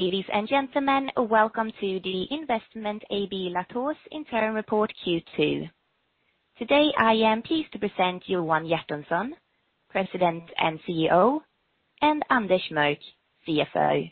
Ladies and gentlemen, welcome to the Investment AB Latour's interim report Q2. Today, I am pleased to present Johan Hjertonsson, President and CEO, and Anders Mörck, CFO.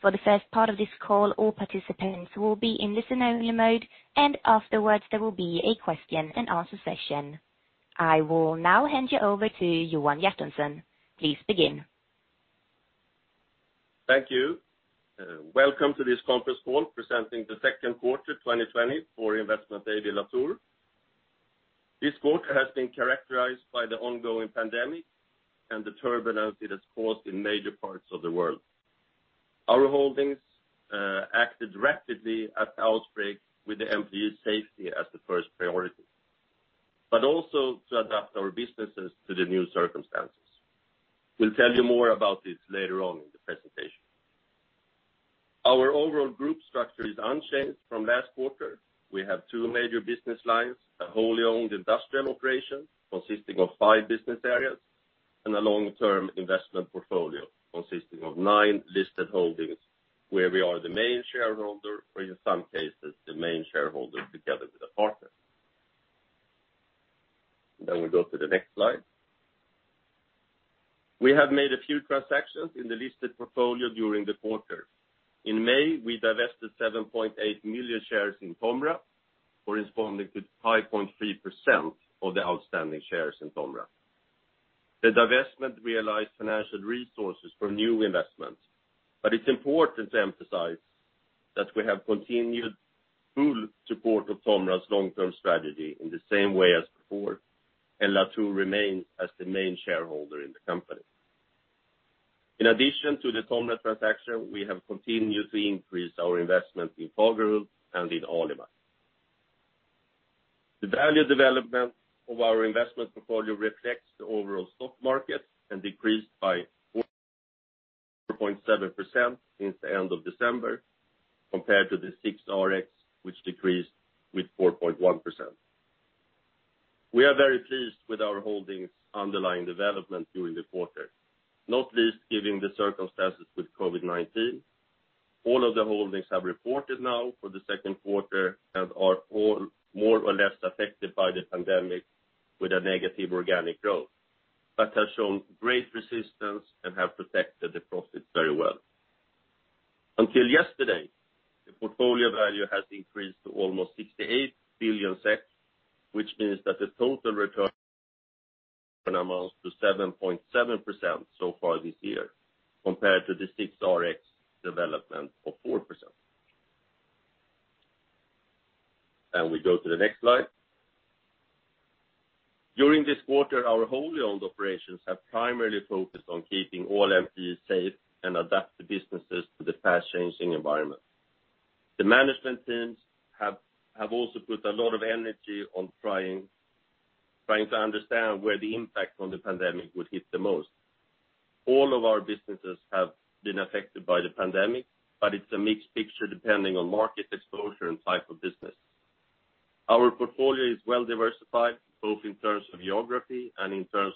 For the first part of this call, all participants will be in listen-only mode. Afterwards there will be a question and answer session. I will now hand you over to Johan Hjertonsson. Please begin. Thank you. Welcome to this conference call presenting the second quarter 2020 for Investment AB Latour. This quarter has been characterized by the ongoing pandemic and the turbulence it has caused in major parts of the world. Our holdings acted rapidly at the outbreak with the employees' safety as the first priority, but also to adapt our businesses to the new circumstances. We'll tell you more about this later on in the presentation. Our overall group structure is unchanged from last quarter. We have two major business lines, a wholly owned industrial operation consisting of five business areas, and a long-term investment portfolio consisting of nine listed holdings where we are the main shareholder, or in some cases, the main shareholder together with a partner. We go to the next slide. We have made a few transactions in the listed portfolio during the quarter. In May, we divested 7.8 million shares in TOMRA, corresponding to 5.3% of the outstanding shares in TOMRA. The divestment realized financial resources for new investments, but it's important to emphasize that we have continued full support of TOMRA's long-term strategy in the same way as before, and Latour remains as the main shareholder in the company. In addition to the TOMRA transaction, we have continued to increase our investment in Fagerhult and in Alimak. The value development of our investment portfolio reflects the overall stock market and decreased by 4.7% since the end of December compared to the SIXRX, which decreased with 4.1%. We are very pleased with our holdings' underlying development during the quarter, not least given the circumstances with COVID-19. All of the holdings have reported now for the second quarter and are all more or less affected by the pandemic with a negative organic growth, but have shown great resistance and have protected the profits very well. Until yesterday, the portfolio value has increased to almost 68 billion SEK, which means that the total return amounts to 7.7% so far this year compared to the SIXRX development of 4%. We go to the next slide. During this quarter, our wholly owned operations have primarily focused on keeping all employees safe and adapt the businesses to the fast-changing environment. The management teams have also put a lot of energy on trying to understand where the impact on the pandemic would hit the most. All of our businesses have been affected by the pandemic, but it's a mixed picture depending on market exposure and type of business. Our portfolio is well diversified, both in terms of geography and in terms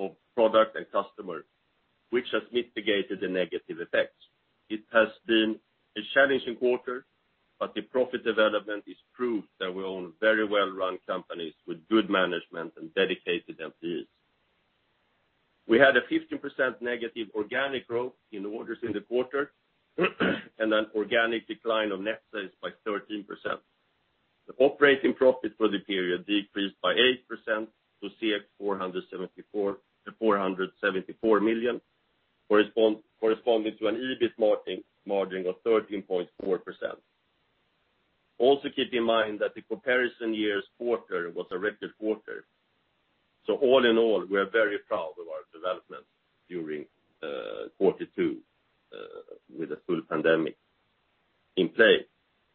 of product and customer, which has mitigated the negative effects. It has been a challenging quarter, but the profit development is proof that we own very well-run companies with good management and dedicated employees. We had a 15% negative organic growth in orders in the quarter and an organic decline of net sales by 13%. The operating profit for the period decreased by 8% to 474 million, corresponding to an EBIT margin of 13.4%. Also keep in mind that the comparison year's quarter was a record quarter. All in all, we are very proud of our development during Q2 with a full pandemic in play.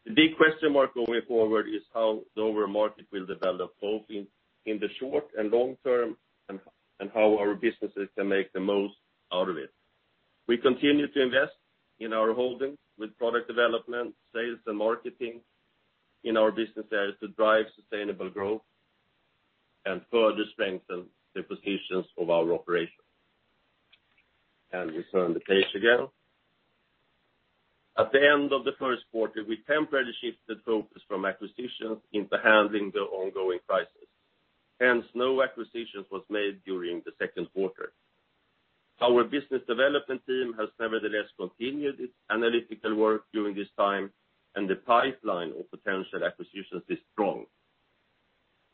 The big question mark going forward is how the overall market will develop, both in the short and long term, and how our businesses can make the most out of it. We continue to invest in our holdings with product development, sales, and marketing in our business areas to drive sustainable growth and further strengthen the positions of our operations. We turn the page again. At the end of the first quarter, we temporarily shifted focus from acquisitions into handling the ongoing crisis. No acquisitions was made during the second quarter. Our business development team has nevertheless continued its analytical work during this time, and the pipeline of potential acquisitions is strong.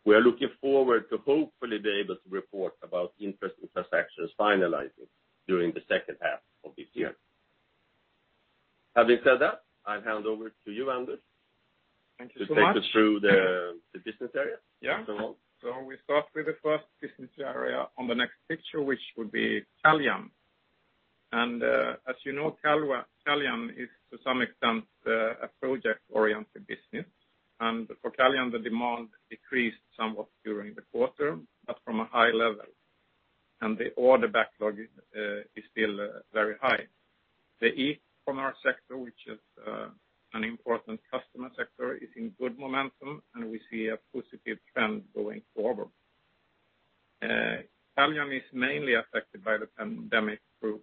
We are looking forward to hopefully be able to report about interesting transactions finalizing during the second half of this year. Having said that, I'll hand over to you, Anders. Thank you so much. to take us through the business areas as a whole. Yeah. We start with the first business area on the next picture, which would be Caljan. As you know, Caljan is to some extent a project-oriented business, and for Caljan, the demand decreased somewhat during the quarter, but from a high level, and the order backlog is still very high. The e-commerce sector, which is an important customer sector, is in good momentum, and we see a positive trend going forward. Caljan is mainly affected by the pandemic through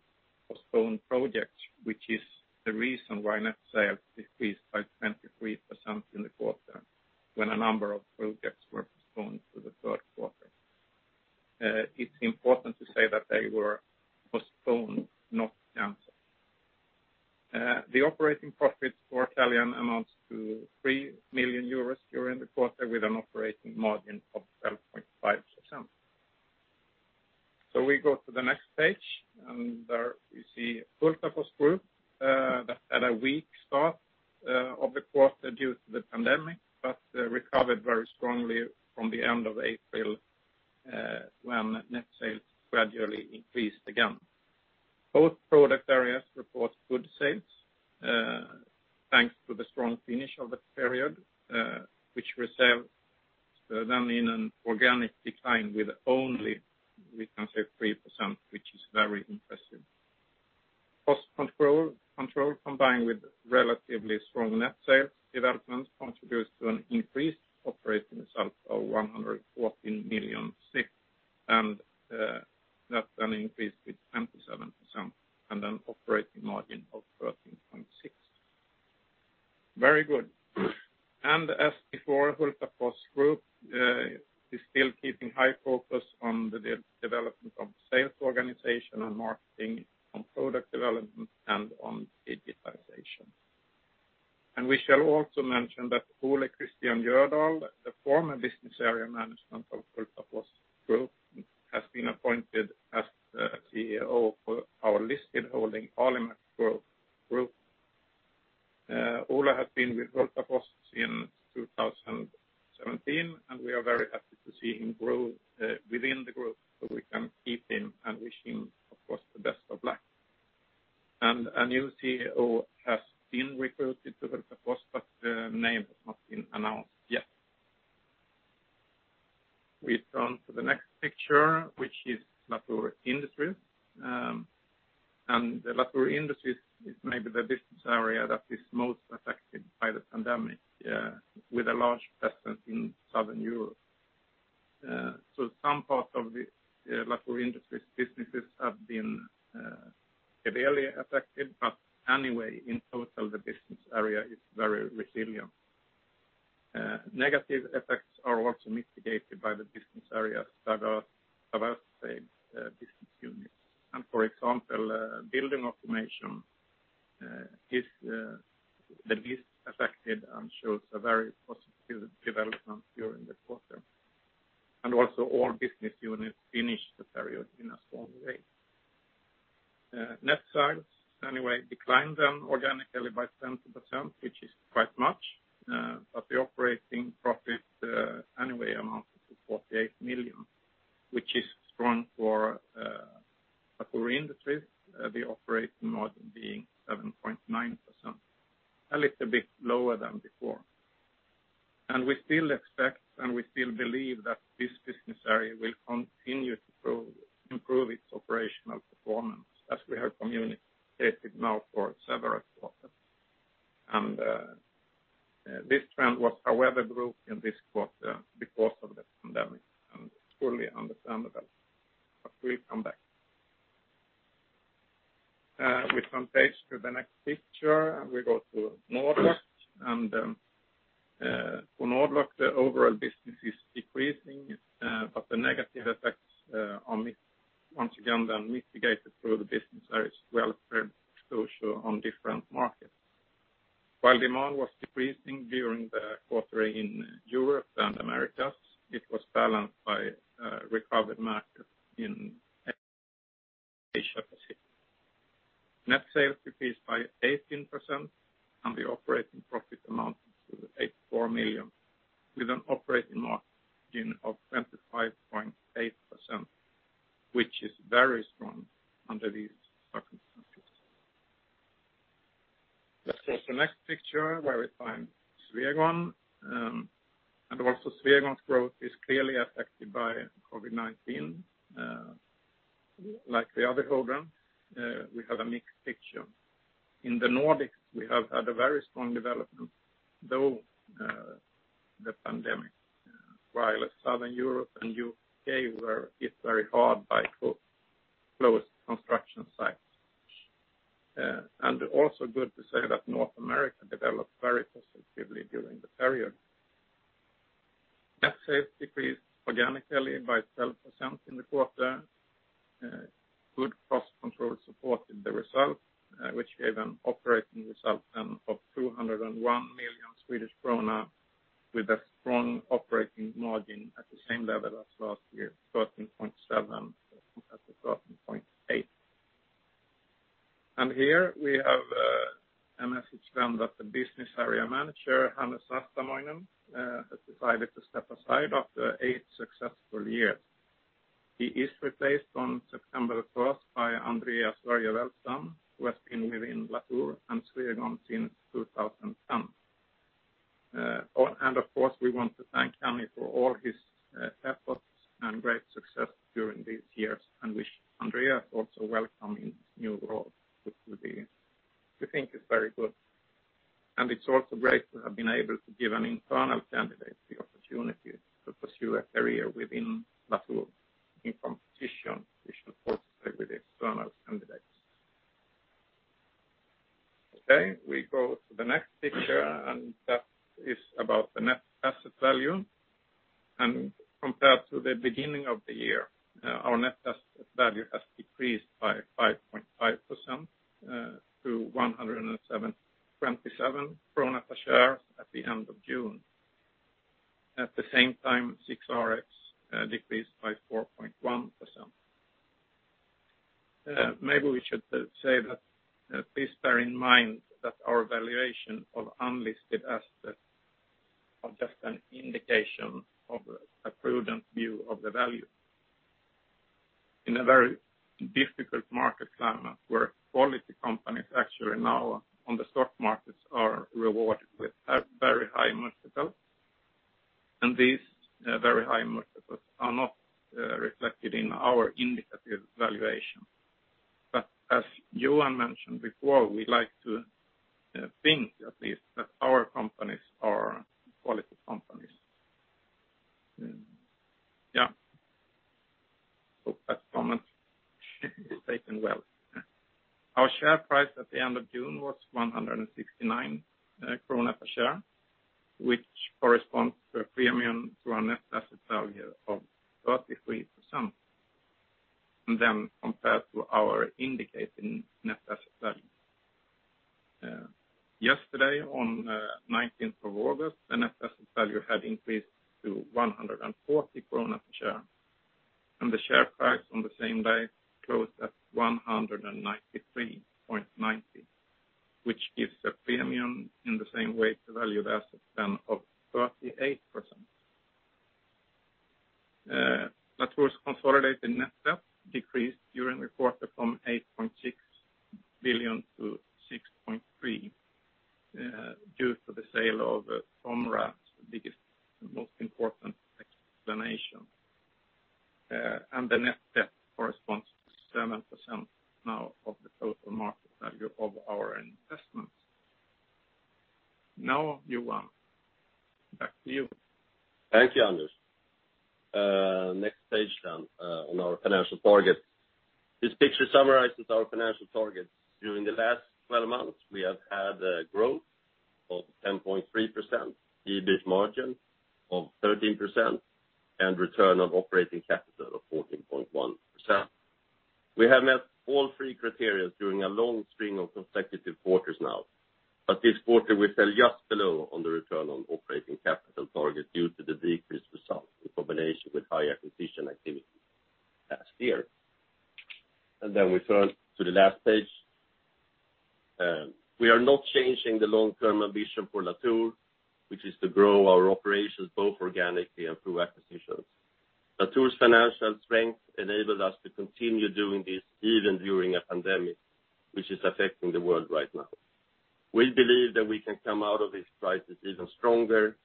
postponed projects, which is the reason why net sales decreased by 23% in the quarter when a number of projects were postponed to the third quarter. It's important to say that they were postponed, not canceled. The operating profit for Caljan amounts to 3 million euros during the quarter with an operating margin of 12.5%. We go to the next page, and there we see Hultafors Group that had a weak start of the quarter due to the pandemic, but recovered very strongly from the end of April when net sales gradually increased again. Both product areas report good sales, thanks to the strong finish of the period, which resulted then in an organic decline with only, we can say, 3%, which is very impressive. Cost control combined with relatively strong net sales development contributes to an increased operating result of 114 million, and that's an increase of 27%, and an operating margin of 13.6%. Very good. As before, Hultafors Group is still keeping high focus on the development of the sales organization and marketing on product development and on digitization. We shall also mention that Ole Kristian Jødahl, the former business area manager of Hultafors Group, has been appointed as the CEO for our listed holding Alimak Group. Ole has been with Hultafors since 2017, and we are very happy to see him grow within the group so we can keep him and wish him, of course, the best of luck. A new CEO has been recruited to Hultafors, but the name has not been announced yet. We turn to the next picture, which is Latour Industries. Latour Industries is maybe the business area that is most affected by the pandemic with a large presence in Southern Europe. Some parts of the Latour Industries businesses have been severely affected, but anyway, in total, the business area is very resilient. Negative effects are also mitigated by the business area's diverse business units. For example, building automation is the least affected and shows a very positive development during the quarter. Also all business units finished the period in a strong way. Net sales anyway declined then organically by 10%, which is quite much, but the operating profit anyway amounted to 48 million, which is strong for Latour Industries, the operating margin being 7.9%, a little bit lower than before. We still expect, and we still believe that this business area will continue to improve its operational performance as we have communicated now for several quarters. This trend was, however, broke in this quarter because of the pandemic, and it's fully understandable. We'll come back. We turn page to the next picture, and we go to Nord-Lock. For Nord-Lock, the overall business is decreasing, but the negative effects are once again then mitigated through the business areas' well-prepared exposure on different markets. While demand was decreasing during the quarter in Europe and Americas, it was balanced by recovered markets in Asia Pacific. Net sales decreased by 18%, and the operating profit amounted to 84 million, with an operating margin of 25.8%, which is very strong under these circumstances. Let's go to the next picture where we find Swegon. Also Swegon's growth is clearly affected by COVID-19. Like the other programs, we have a mixed picture. In the Nordics, we have had a very strong development, though the pandemic, while Southern Europe and U.K. were hit very hard by closed construction sites. Also good to say that North America developed very positively during the period. Net sales decreased organically by 12% in the quarter. Good cost control supported the result, which gave an operating result then of 201 million Swedish krona with a strong operating margin at the same level as last year, 13.7% as opposed to 13.8%. Here we have a message then that the business area manager, Hannu Saastamoinen, has decided to step aside after eight successful years. He is replaced on September 1st by Andreas Örje Wellstam, who has been within Latour and Swegon since 2010. Of course, we want to thank Hannu for all his efforts and great success during these years and wish Andreas also welcome in his new role, which we think is very good. It's also great to have been able to give an internal candidate the opportunity to pursue a career within Latour in competition with external candidates. We go to the next picture, and that is about the net asset value. Compared to the beginning of the year, our net asset value has decreased by 5.5% to SEK 107.27 per share at the end of June. At the same time, SIXRX decreased by 4.1%. Maybe we should say that, please bear in mind that our valuation of unlisted assets are just an indication of a prudent view of the value. In a very difficult market climate where quality companies actually now on the stock markets are rewarded with very high multiples. These very high multiples are not reflected in our indicative valuation. As Johan mentioned before, we like to think at least that our companies are quality companies. Hope that comment is taken well. Our share price at the end of June was 169 krona per share, which corresponds to a premium to our net asset value of 33%, compared to our indicating net asset value. Yesterday on August 19th, the net asset value had increased to 140 krona per share, the share price on the same day closed at 193.90, which gives a premium in the same way to value the assets then of 38%. Latour's consolidated net debt decreased during the quarter from 8.6 billion to SEK 6.3 billion, due to the sale of TOMRA's biggest and most important explanation. The net debt corresponds to 7% now of the total market value of our investments. Johan, back to you. Thank you, Anders. Next page on our financial targets. This picture summarizes our financial targets. During the last 12 months, we have had a growth of 10.3%, EBIT margin of 13%, and return on operating capital of 14.1%. We have met all three criteria during a long string of consecutive quarters now, this quarter we fell just below on the return on operating capital target due to the decreased results in combination with high acquisition activity last year. We turn to the last page. We are not changing the long-term ambition for Latour, which is to grow our operations both organically and through acquisitions. Latour's financial strength enabled us to continue doing this even during a pandemic, which is affecting the world right now. We believe that we can come out of this crisis even stronger,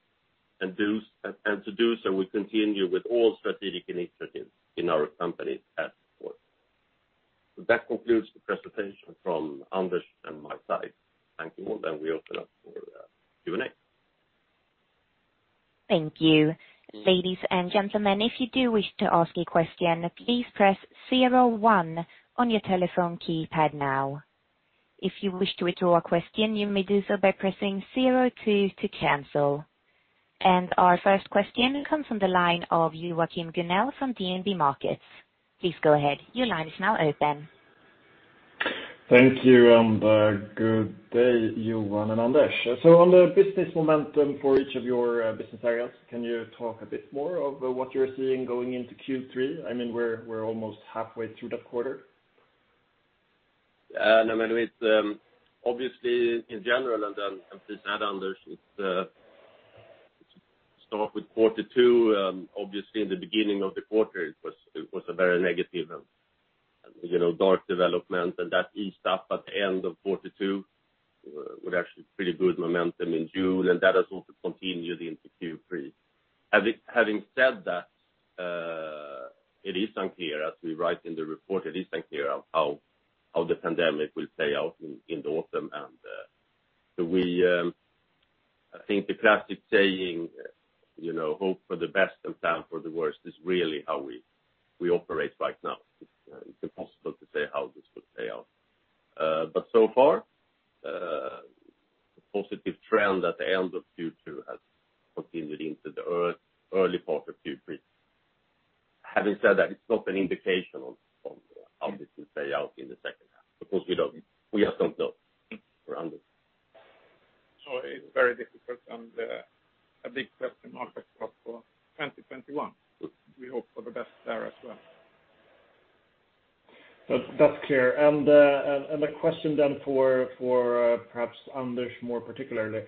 and to do so, we continue with all strategic initiatives in our company as before. That concludes the presentation from Anders and my side. Thank you all, then we open up for Q&A. Thank you. Ladies and gentlemen, if you do wish to ask a question, please press zero one on your telephone keypad now. If you wish to withdraw a question, you may do so by pressing zero two to cancel. Our first question comes from the line of Joachim Gunell from DNB Markets. Please go ahead. Your line is now open. Thank you, and good day, Johan and Anders. On the business momentum for each of your business areas, can you talk a bit more of what you're seeing going into Q3? I mean, we're almost halfway through the quarter. I mean, obviously in general, please add Anders, to start with Q2, obviously in the beginning of the quarter, it was a very negative dark development, and that eased up at the end of Q2 with actually pretty good momentum in June, and that has also continued into Q3. Having said that, it is unclear as we write in the report, it is unclear how the pandemic will play out in the autumn. I think the classic saying, hope for the best and plan for the worst is really how we operate right now. It's impossible to say how this will play out. So far, the positive trend at the end of Q2 has continued into the early quarter of Q3. Having said that, it's not an indication of how this will play out in the second half, because we just don't know. For Anders. It's very difficult and a big question mark across for 2021. We hope for the best there as well. That's clear. A question then for perhaps Anders more particularly.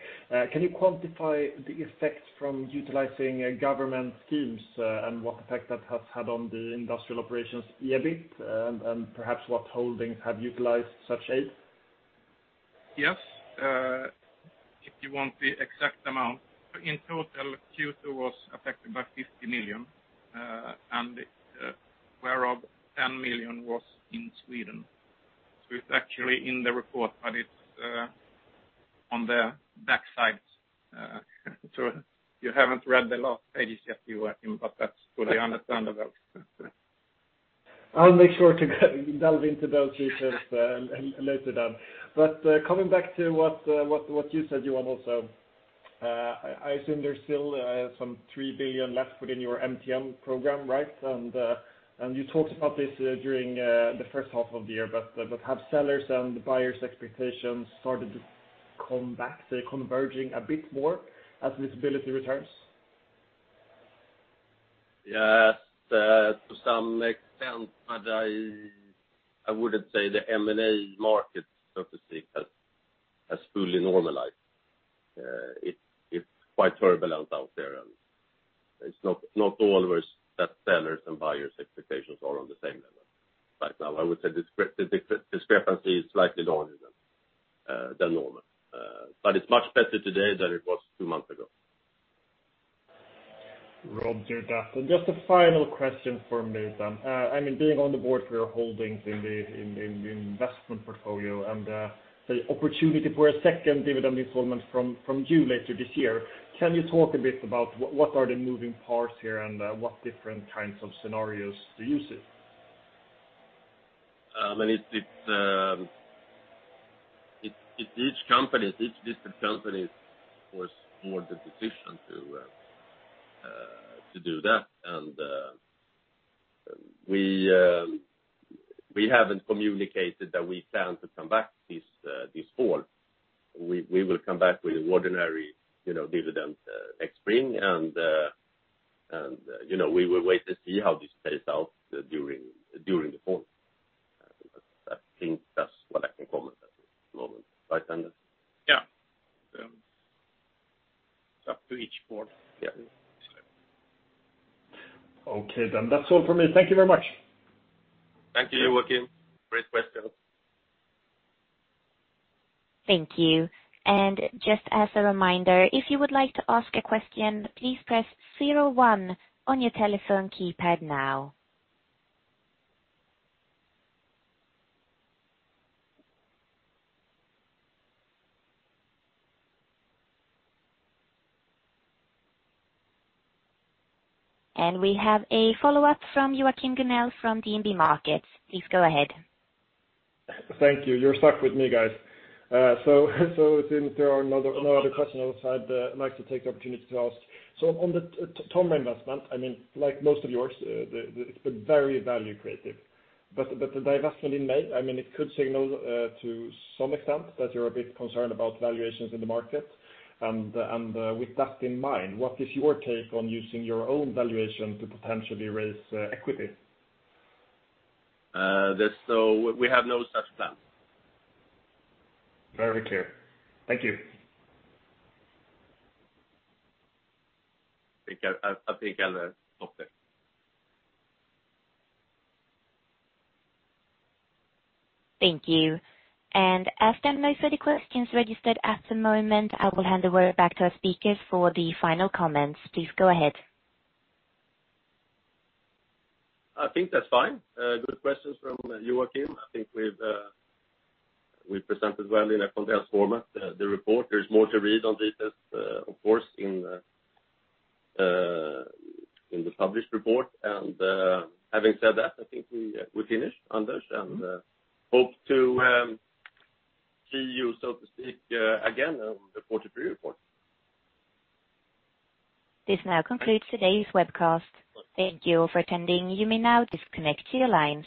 Can you quantify the effect from utilizing government schemes and what effect that has had on the industrial operations EBIT? Perhaps what holdings have utilized such aid? Yes. If you want the exact amount, in total Q2 was affected by 50 million. Whereof 10 million was in Sweden. It's actually in the report, but it's on the back side. You haven't read the last pages yet, Joachim, but that's fully understandable. I'll make sure to delve into those details later, Anders. Coming back to what you said, Johan, also, I assume there's still some 3 billion left within your MTN program, right? You talked about this during the first half of the year, have sellers and buyers' expectations started to come back, they're converging a bit more as visibility returns? Yes, to some extent, but I wouldn't say the M&A market, so to speak, has fully normalized. It's quite turbulent out there, and it's not always that sellers and buyers' expectations are on the same level right now. I would say the discrepancy is slightly lower than normal. It's much better today than it was two months ago. Just a final question from me. Being on the board, we are holding in the investment portfolio, and the opportunity for a second dividend installment from you later this year, can you talk a bit about what are the moving parts here and what different kinds of scenarios do you see? It's each different company, of course, who has made the decision to do that. We haven't communicated that we plan to come back this fall. We will come back with ordinary dividend next spring, and we will wait to see how this plays out during the fall. I think that's what I can comment at the moment. Right, Anders? Yeah. It's up to each board. Yeah. Okay, then, that's all from me. Thank you very much. Thank you, Joachim. Great questions. Thank you. Just as a reminder, if you would like to ask a question, please press zero one on your telephone keypad now. We have a follow-up from Joachim Gunell from DNB Markets. Please go ahead. Thank you. You're stuck with me, guys. Since there are no other questions, I'd like to take the opportunity to ask. On the TOMRA investment, like most of yours, it's been very value creative. The divestment in May, it could signal to some extent that you're a bit concerned about valuations in the market. With that in mind, what is your take on using your own valuation to potentially raise equity? We have no such plans. Very clear. Thank you. I think I stopped it. Thank you. As there are no further questions registered at the moment, I will hand over back to our speakers for the final comments. Please go ahead. I think that's fine. Good questions from Joachim. I think we've presented well in a condensed format the report. Having said that, I think we're finished, Anders. Hope to see you, so to speak, again on the Q3 report. This now concludes today's webcast. Thank you for attending. You may now disconnect your lines.